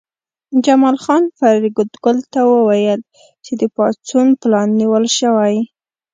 جمال خان فریدګل ته وویل چې د پاڅون پلان نیول شوی